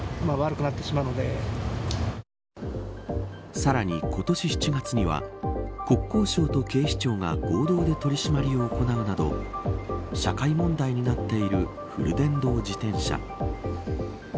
さらに今年７月には国交省と警視庁が合同で取り締まりを行うなど社会問題になっているフル電動自転車。